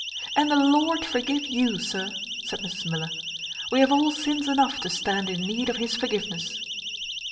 "And the Lord forgive you, sir!" said Mrs Miller; "we have all sins enough to stand in need of his forgiveness."